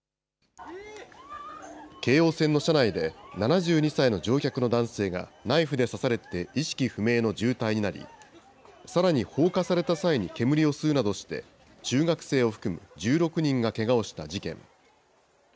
京王線の車内で、７２歳の乗客の男性が、ナイフで刺されて意識不明の重体になり、さらに放火された際に煙を吸うなどして、中学生を含む１６人がけがをした事件。